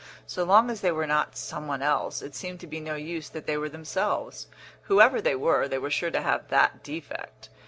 So long as they were not some one else, it seemed to be no use that they were themselves; whoever they were, they were sure to have that defect.